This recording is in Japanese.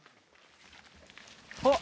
あっ。